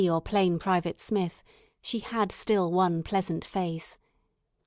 or plain private Smith, She had still one pleasant face.